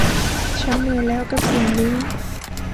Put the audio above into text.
ฉันเหนื่อยแล้วกับสิ่งนี้